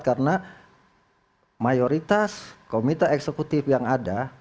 karena mayoritas komite eksekutif yang ada